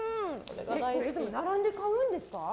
いつも並んで買うんですか？